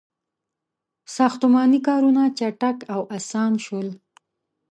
• ساختماني کارونه چټک او آسان شول.